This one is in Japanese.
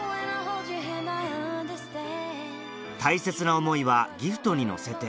大切は思いはギフトに乗せて